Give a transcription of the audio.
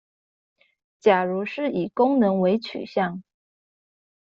假如是以功能為取向